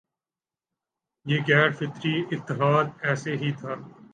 یہ غیر فطری اتحاد ایسے ہی تھا